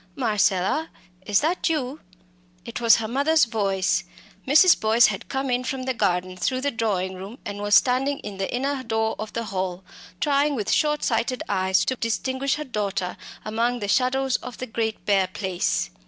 "Marcella, is that you?" It was her mother's voice. Mrs. Boyce had come in from the garden through the drawing room, and was standing at the inner door of the hall, trying with shortsighted eyes to distinguish her daughter among the shadows of the great bare place.